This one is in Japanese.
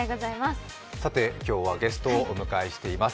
今日はゲストをお迎えしています。